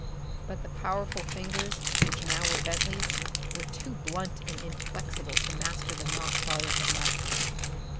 But the powerful fingers which now were Bentley's were too blunt and inflexible to master the knot Barter had left.